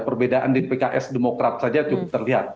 perbedaan di pks demokrat saja cukup terlihat